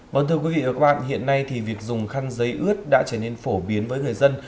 vâng thưa quý vị và các bạn hiện nay thì việc dùng khăn giấy ướt đã trở nên phổ biến với người dân